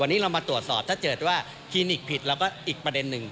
วันนี้เรามาตรวจสอบถ้าเกิดว่าคลินิกผิดเราก็อีกประเด็นหนึ่ง